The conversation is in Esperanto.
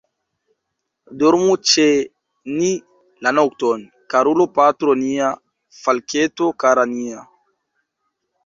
Dormu ĉe ni la nokton, karulo, patro nia, falketo kara nia.